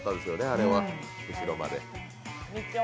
あれは、釧路まで。